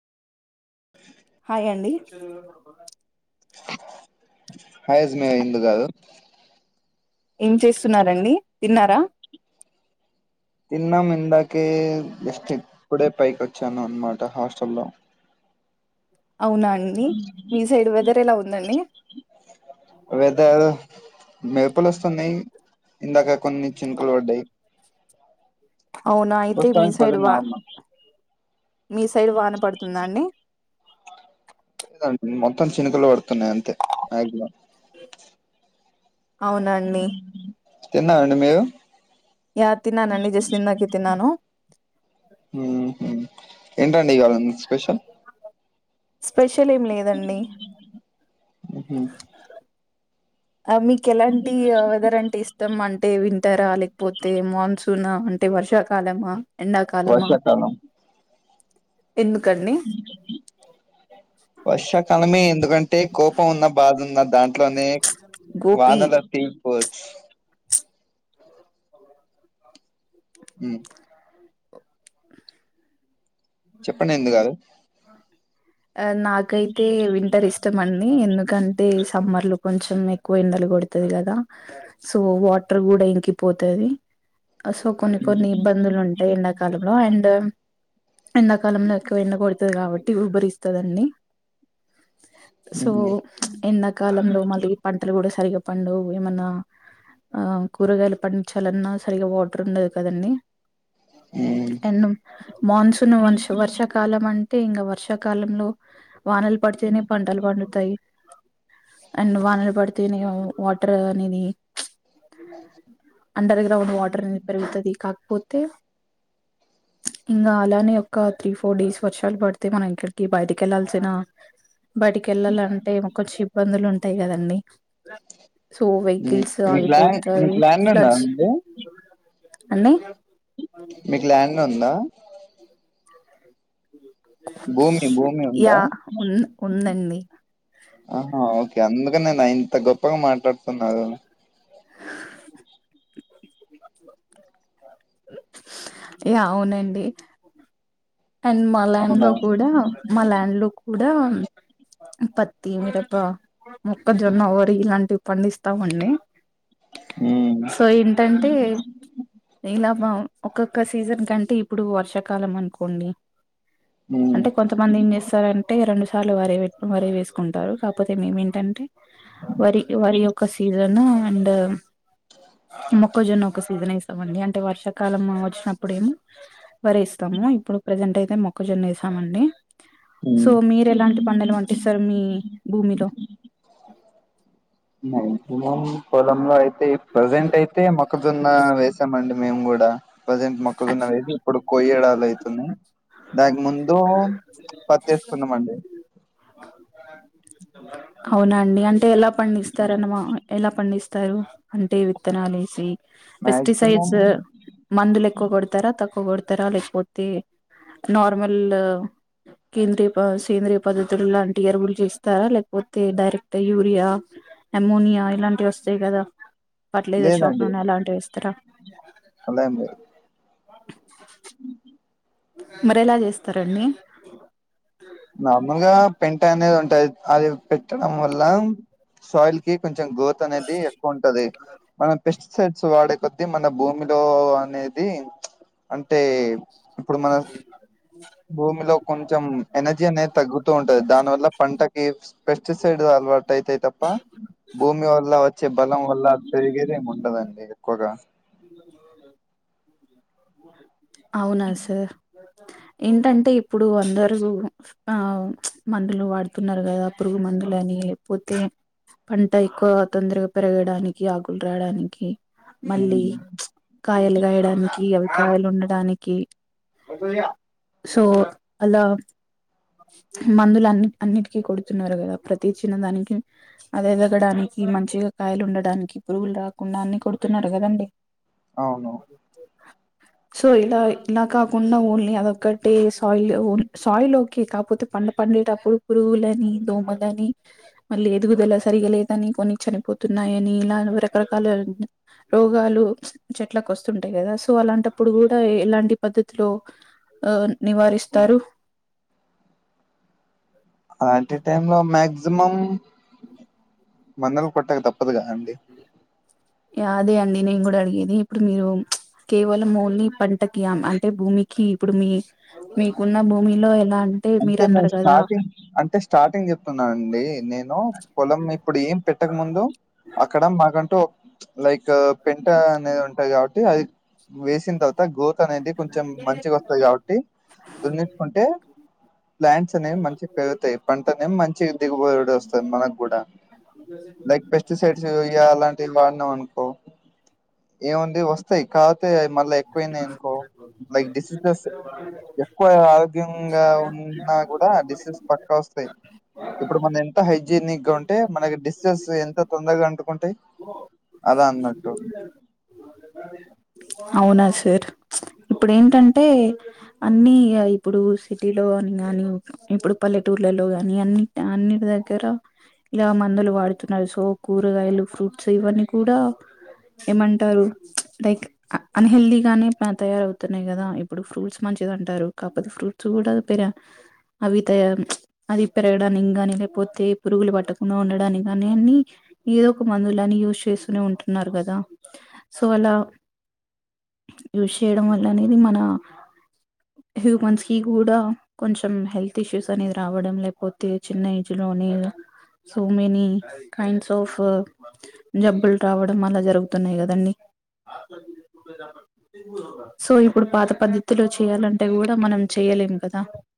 hi అండి [unintelligible] ఇందు గారు ఏం చేస్తున్నారండి తిన్నారా తిన్నాం ఇందాకే జస్ట్ ఇప్పుడే పైకి వచ్చాను అనమాట హాస్టల్లో అవునా అండి మీ సైడ్ వెదర్ ఎలా ఉందండి వెదర్ మేరుపులు ఒస్తున్నాయి ఇందాక కొన్ని చినుకులు పడ్డాయి అవునా అయితే మీ ప్రస్తుతానికి పది సైడ్ వా నార్మల్ మీ సైడ్ వాన పడుతుందా అండి ఆ మొత్తం చినుకులు పడుతున్నాయి అంతే మక్సిమం అవునా అండి తిన్నరండి మీరు యా తిన్నానండి జస్ట్ ఇందాకే తిన్నాను ఉహు ఏంటండి ఇవాళ మీ స్పెషల్ స్పెషల్ ఏం లేదండి ఉహుమ్ అ మీకు ఎలాంటి అ వెదర్ అంటే ఇష్టం అంటే విన్ టరా లేకపోతే మాన్సూన్ అ అంటే వర్షాకాలమా ఎండా కాల మా వర్షాకాలం వర్షా కాలమే ఎందుకన్ అంటే కోపం ఉన్న బాధ ఉన్న దాంట్లోనే గోపి వానల తీరిపోవచ్చు ఉమ్ చెప్పండి ఇందు గారు ఆ నాకైతే వింటర్ ఇస్టం అండి ఎందుకంటే సమ్మర్ లో కొంచెం ఎక్కువ ఎండలు కొడుతది కదా సో వాటర్ గూడ ఇంకిపోతది సో కొన్ని కొన్ని ఇబ్బందులుంటాయి ఎండాకాలంలో అండ్ ఎండాకాలంలో ఎక్కువ ఎండ కొడతది కాబట్టి ఉహ్బరిస్తదండి సో ఉహు ప్చ్ ఎండాకాలంలో మళ్ళీ పంటలు కూడా సరిగా పండవు ఏమన్నా ఆ కూరగాయలు పండించాలన్నా సరిగా వాటర్ ఉండద్ కదండి ఉ ఎన్నుం మాన్సూన్ వన్స్ వర్షకాలం అంటే ఇంగ వర్షాకాలంలో వానలు పడితేనే పంటలు పండుతాయి అండ్ వానలు పడ్ తేనె వాటర్ అనేది ప్చ్ అండర్ గ్రౌండ్ వాటర్ అనెది పెరుగుతది కాకపోత్ తె ఇంగా అలానే ఒక త్రీ ఫోర్ డేస్ వర్షాలు పడితే మనం ఎక్కడికి బయటికెళ్లాల్సిన బయటికెళ్ళాలంటే కొంచెం ఇబ్బందులు ఉంటాయి కదండి సో వెకిల్స్ మీకు ల్యాండ్ ఆగిపోతయి మీకు ల్యాండ్ ఉందా ఫ్లడ్స్ అండి మీక్ ల్యాండ్ ఉందా భూమి భూమి ఉందా యా ఉ ఉందండి ఆహా ఒకె అందుకనెనా ఇంత గొప్పగ మాట్లాడుతున్నారు యా అవునండి అండ్ మా అవునా లాండ్లో కుడ మా లాండ్లో కూడ పత్తి మిరప మొక్కజొన్న వరి ఇలాంటివి పండిస్తామండి ఉమ్ సో ఎంటంటే ఇలా మా ఒక్కొక్క సీజన్కంటే ఇప్పుడు వర్షాకాలం అనుకోండి ఉమ్ అంటె కొంతమంది ఏం చేస్తారంటే రెండు సార్లు వరి వరీ వేసుకుంటారు కాకపోతే మేమేంటంటే వరి వరీ యొక్క సీజను అండ్ మొక్కజొన్న ఒక సీజన్ ఎస్తామండి అంటే వర్షాకాలం వచ్చినప్పుడేమో వరి ఏస్తాము ఇప్పుడు ప్రెజెంట్ అయితే మొక్కజొన్నేసమండి ఉమ్ సో మీరు ఎలాంటి పండలు వంటిస్తార్ మీ భూమిలో మాక్సిమం పోలంలో అయి తే ప్రజెంట్ అయితే మొక్కజొన్న వేసామండి మేమ్గూడా ప్రజెంట్ మొక్కజొన్న వేసి ఇప్పుడు కొయ్యడాలు అయితున్నాయి దానికి ముందు పత్తెస్కున్నాం అండి అవునాండి అంటే ఎలా పండిస్తారనమా ఎలా పండిస్ తారు అంటే ఈ విత్తనాలెసి మాక్సిమం పెస్టిసైడ్స్ మందులు ఎక్కువ కొడతారా తక్కువ గొడతారా లేకపోతే నార్మల్ల్ కేద్రీయ ప సేంద్రీయ పద్ధతులు లాంటి ఎరువులు చేస్తారా లేక పోతే డైరెక్ట్ యూరియా అమోనియా ఇలాంట్ వస్తాయి కదా ఫట్లైజర్ షాప్ లేదండి నునే అలాంటివెస్తారా అలా ఎం లెద్ మరెలా చేస్తారండి నార్మల్గా పెంట అనేది ఉంటాది అది పెట్టడం వల్ల సాయిల్ కి కొంచెం గ్రోత్ అనేది ఎక్కువుంటది మనం పెస్టిసైడ్ స్ వాడే కొద్ది మన భూమిలో అనేది అంటే ఇప్పుడు మన భూమిలో కొంచెం ఎనర్జీ అనేది తగ్గుతూ ఉంటది దాని వల్ల పంటకి పెస్టిసైడ్ అలవాటై తే తప్ త భూమి వల్ల వచ్చే బలం వల్ల పెరిగేదేమి ఉండదండి ఎక్కువగా అవునా సార్ ఏంటంటే ఇప్పుడు అందరు ఆ మందులు వాడుతున్నారు గదా పురుగు మంద్ దులని లేకపోతే పంట ఎక్కువగ తొందరగా పెరగడానికి ఆకులు రాడానికి ఉమ్, మళ్ళీ కాయలు కాయడానికి అవి కాయలు ఉండ డానికి సో అలా మందులు అన్ని అన్నిటికీ కొడుతున్నారు గదా ప్రతీ చిన్న దానికి అది ఎదగడానికి మంచిగా కాయలు ఉండడానికి పురుగులు రాకుండా అన్ని కొడుతున్నారు కదండి అవును సో ఇలా ఇలా కాకుండా ఓన్లీ అదొక్కటి సాయిల్ సాయిల్ ఓకే కాకపోతే పంట పన్ డేటప్పుడు పురుగులని దోమలని మళ్ళీ ఎదుగుదల సరిగలేదని కొన్ని చనిపోతున్నాయి అని రకరకాల రోగాలు చెట్ల కు వస్తుంటాయి కదా సో అలాంట ప్పుడు కూడా ఎలాంటి పద్ధతిలో ఆ నివారిస్తారు అలాంటి టైం లో మాక్సిమం మన్నలు కొట్టక తప్పదుగా అండి యా అదే అండి నేను గుడా అడిగేది ఇప్పుడు మీరు కేవలం ఓన్లీ పంటకియామ్ అంటే భూమికి ఇప్పుడు మీ మీకున్న భూమిలో ఎలా మీరు అంటే మేమ్ అన్నారు కదా స్టార్టింగ్ అంటే స్టార్టింగ్ చెప్తున్నాను అండి నేను పొలం ఇప్పుడు ఏం పెట్ ట్టకు ముందు అక్కడ మాకంటూ లైక్ పెంట అనేది ఉంటది కాబట్టి అది వేసిన తర్వాత గ్రోత్ అనేది కొంచెం మంచిగా వస్తది కాబట్టి దున్నిచ్చుకుంటే ప్లాంట్స్ అనేవి మంచిగా పెరుగుతాయి పంట అనే మంచి దిగుబడు వస్తద్ మనకు కూడా లైక్ పెస్టిసైడ్స్ ఇయ అలాంటివి వాడినం అ కో ఏముంది వస్తాయ్ కాక్ మళ్ళా ఎక్కువయినాయి అనుకో లైక్ డిసీజెస్ ఎక్కువ ఆరోగ్య ఇంగ ఉన్నా కూడా డీసీస్ పక్క వస్తాయి ఇప్పుడు మనం ఎంత హైజీనిక్ ఉంటే మనకి డిసీజెస్ ఎంత తొందరగా అంటుకుంటాయి అలా అన్నట్టు అవునా సార్ ఇప్పుడు ఏంటంటే అన్ని ఇప్పుడు సిటీలోని గాని ఇప్పుడు పల్లెటూర్లలో గాని అన్ని అన్ని దగ్గర ఇలా మందులు వాడుతున్నారు సో కూరగాయలు ఫ్రూట్స్ ఇవన్నీ కూడా ఏమంటారు లైక్ అన్హెల్దీగానే తయారవుతున్నాయి గదా ఇప్పుడు ఫ్రూట్స్ మంచిది అంటారు కాకపోతే ఫ్రూట్స్ కూడా పెరి అవి తయ్ అది పెరగడానికి గానీ లేకపోతే పురుగులు పట్టకుండా ఉండడానికి గాని అన్ని ఏ ఒక మందులాని యూస్ చేస్తూనే ఉంటున్నారు కదా సో అలా యూస్ చేయడం వల్ల అనేది మన హ్యూమన్స్ కి కూడా కొంచెం హెల్త్ ఇష్యూస్ అనేది రావడం లేకపోతే చిన్న ఏజ్ లో అనిల్ సో మెనీ కైండ్స్ ఆఫ్ జబ్బులు రావడం అలా జరుగుతున్నాయి కదండి సో ఇప్పుడు పాత పద్ధతిలో చేయాలంటే గూడా మనం చెయలేం కదా